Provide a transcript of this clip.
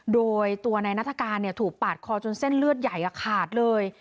โดยตัวในนัตการณ์เนี่ยถูกปาดคอจนเส้นเลือดใหญ่อะขาดเลย